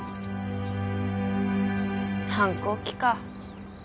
反抗期か。